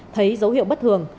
thấy dấu hiệu bất thường